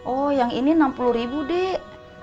oh yang ini enam puluh ribu dek